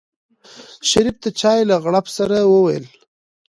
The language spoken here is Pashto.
شريف د چای له غړپ سره وويل.